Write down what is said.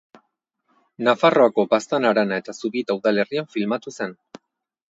Nafarroako Baztan harana eta Zubieta udalerrian filmatu zen.